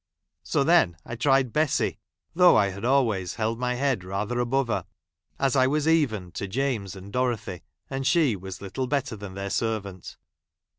So then I tried Bessy, thou^i I had always held my head rather above her, as I was evened to James and Dorothy, and she was little better than their servant.